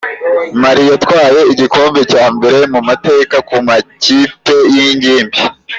Mali yatwaye igikombe cya mbere mu mateka ku makipe y'ingimbi.